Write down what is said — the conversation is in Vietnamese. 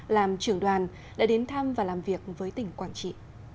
làm trưởng đoàn đã đến thăm và làm việc với tỉnh quảng trị